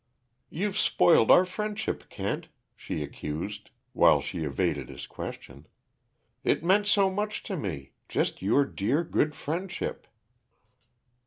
"You've spoiled our friendship, Kent!" she accused, while she evaded his question. "It meant so much to me just your dear, good friendship."